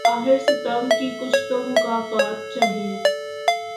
آخر ستم کی کچھ تو مکافات چاہیے